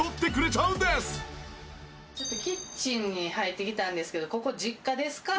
ちょっとキッチンに入ってきたんですけどここ実家ですか？